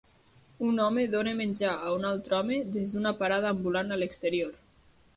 Un home dona menjar a un altre home des d'una parada ambulant a l'exterior